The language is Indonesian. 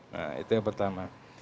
nah itu yang pertama